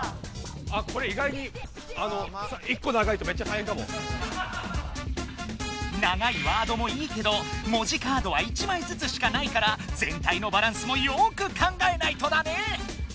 あこれいがいに長いワードもいいけど「もじカード」は１枚ずつしかないからぜんたいのバランスもよく考えないとだね！